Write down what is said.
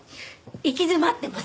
行き詰まってます！